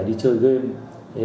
đi chơi game